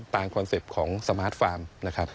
คอนเซ็ปต์ของสมาร์ทฟาร์มนะครับ